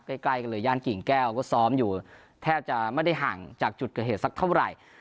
ใกล้กันเลยย่านกิ่งแก้วก็ซ้อมอยู่แทบจะไม่ได้ห่างจากจุดเกิดเหตุสักเท่าไหร่